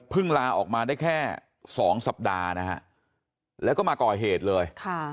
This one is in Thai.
ลาออกมาได้แค่๒สัปดาห์นะฮะแล้วก็มาก่อเหตุเลย